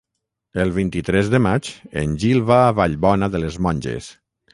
El vint-i-tres de maig en Gil va a Vallbona de les Monges.